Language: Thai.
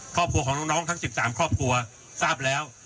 ครอบครัวของน้องทั้ง๑๓ครอบครัวทราบแล้ว